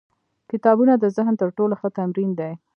کتابونه د ذهن تر ټولو ښه تمرین دی.